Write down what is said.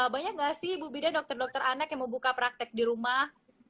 banyak nggak sih bu bida dokter dokter anak yang mau buka praktek di rumah